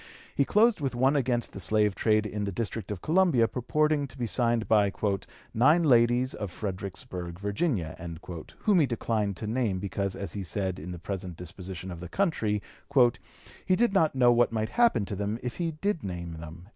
He closed with one against the slave trade in the District of Columbia purporting to be signed by "nine ladies of Fredericksburg, Virginia," whom he declined to name because, as he said, in the present disposition of the country, "he did not know what might happen to them if he did name them."